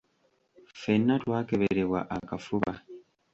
Ffenna twakeberebwa akafuba.